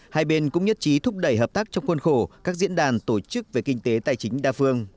hai bên cũng nhất trí thúc đẩy hợp tác trong khuôn khổ các diễn đàn tổ chức về kinh tế tài chính đa phương